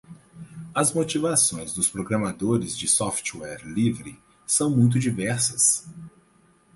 As motivações dos programadores de software livre são muito diversas.